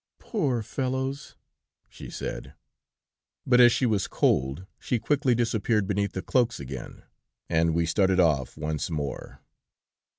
'" "'Poor fellows!' she said. But as she was cold, she quickly disappeared beneath the cloaks again, and we started off once more.